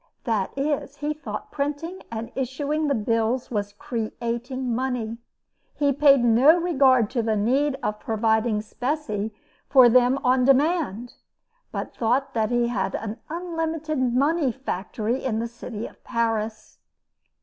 That is, he thought printing and issuing the bills was creating money. He paid no regard to the need of providing specie for them on demand, but thought he had an unlimited money factory in the city of Paris.